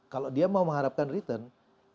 kalau dia mau mengharapkan return